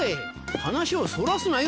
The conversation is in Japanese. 話をそらすなよ